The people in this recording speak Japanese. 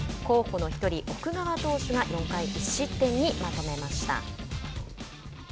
候補の１人、奥川投手が４回１失点にまとめました。